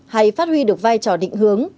hay phát huy được vai trò định hướng